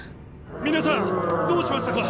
皆さんどうしましたか？